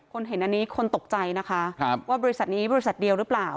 เห็นอันนี้คนตกใจนะคะว่าบริษัทนี้บริษัทเดียวหรือเปล่า